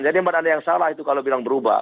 jadi mbak nana yang salah itu kalau bilang berubah